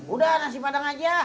udah nasi padang aja